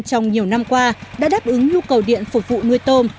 trong nhiều năm qua đã đáp ứng nhu cầu điện phục vụ nuôi tôm